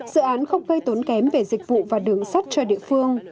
dự án không gây tốn kém về dịch vụ và đường sắt cho địa phương